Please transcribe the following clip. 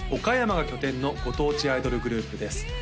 岡山が拠点のご当地アイドルグループです